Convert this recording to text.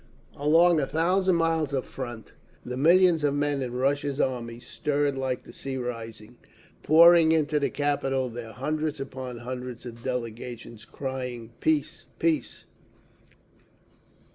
Along a thousand miles of front the millions of men in Russia's armies stirred like the sea rising, pouring into the capital their hundreds upon hundreds of delegations, crying "Peace! Peace!"